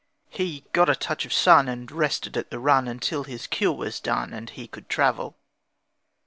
He got a touch of sun, And rested at the run Until his cure was done, And he could travel.